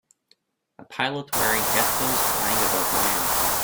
A pilot wearing headphones flying above land